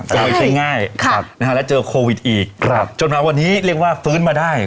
ไม่ใช่ง่ายแล้วเจอโควิดอีกจนมาวันนี้เรียกว่าฟื้นมาได้